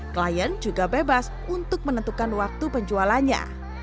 klien juga bebas untuk menentukan waktu penjualannya